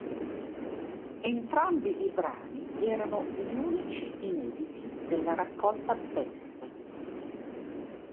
Entrambi i brani erano gli unici inediti della raccolta "Best".